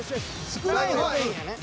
少ない方がええんやね？